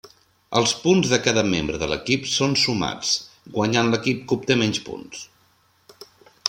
Els punts de cada membre de l'equip són sumats, guanyant l'equip que obté menys punts.